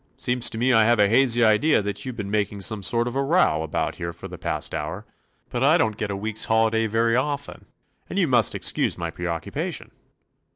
Seems to me I have a hazy idea that you 've been making some sort of a row about here for the past hour, but I don't get a week's holiday very often, and you must excuse my preoccupation."